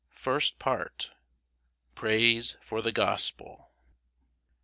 First Part. Praise for the gospel.